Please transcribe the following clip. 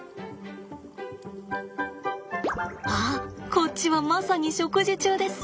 こっちはまさに食事中です。